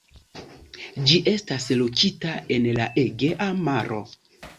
Ĝi estas lokita en la Egea Maro.